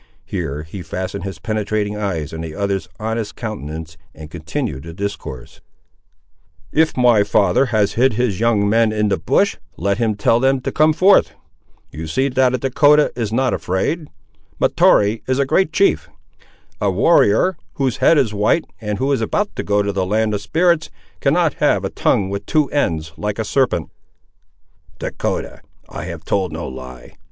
Here he fastened his penetrating eyes on the other's honest countenance, and continued the discourse— "If my father has hid his young men in the bush, let him tell them to come forth. You see that a Dahcotah is not afraid. Mahtoree is a great chief! A warrior, whose head is white, and who is about to go to the Land of Spirits, cannot have a tongue with two ends, like a serpent." "Dahcotah, I have told no lie.